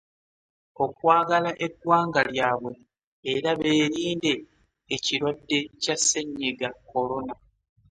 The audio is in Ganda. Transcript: Okwagala eggwanga lyabwe era beerinde ekirwadde kya Ssennyiga Corona.